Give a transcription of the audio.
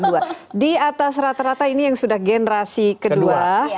di atas rata rata ini yang sudah generasi kedua